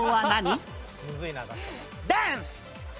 ダンス！